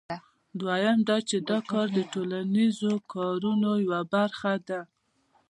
دویم دا چې دا کار د ټولنیزو کارونو یوه برخه ده